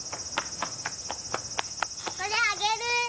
これあげる。